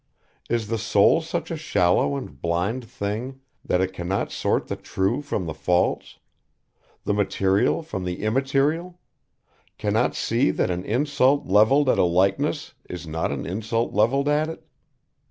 Is the soul such a shallow and blind thing that it cannot sort the true from the false, the material from the immaterial, cannot see that an insult levelled at a likeness is not an insult levelled at it?